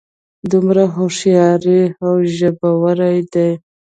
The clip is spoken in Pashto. دومره هوښیارې او ژبورې دي.